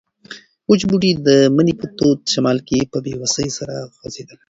وچ بوټي د مني په تود شمال کې په بې وسۍ سره خوځېدل.